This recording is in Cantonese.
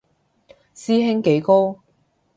師兄幾高